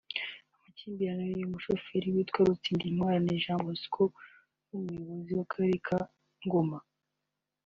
Amakimbirane y’uyu mushoferi witwa Rutsindintwarane Jean Bosco n’Umuyobozi w’Akarere ka Ngoma